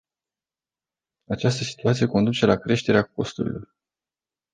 Această situație conduce la creșterea costurilor.